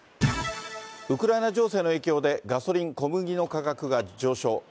ウクライナ情勢の影響で、ガソリン、小麦の価格が上昇。